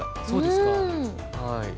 そうですか。